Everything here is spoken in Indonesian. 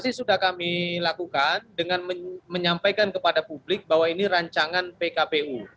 ini sudah kami lakukan dengan menyampaikan kepada publik bahwa ini rancangan pkpu